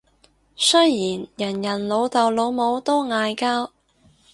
雖然人人老豆老母都嗌交